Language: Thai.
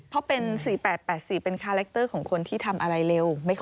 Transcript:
เพราะเป็น๔๘๘๔เป็นคาแรคเตอร์ของคนที่ทำอะไรเร็ว